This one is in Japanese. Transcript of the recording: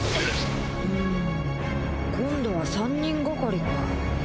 うん今度は３人がかりか。